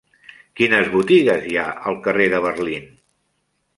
Quines botigues hi ha al carrer de Berlín?